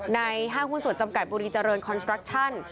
ห้างหุ้นส่วนจำกัดบุรีเจริญคอนสตรักชั่น